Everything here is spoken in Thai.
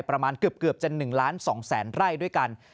ประมาณเกือบจะ๑ล้าน๒แสนไร่ด้วยกัน